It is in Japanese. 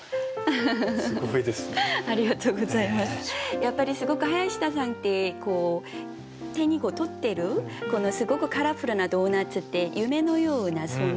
やっぱりすごく林田さんって手に取ってるすごくカラフルなドーナツって夢のような存在